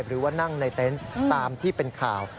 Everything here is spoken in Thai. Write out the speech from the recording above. หรือว่านั่งในเต็นต์ตามที่เป็นข่าว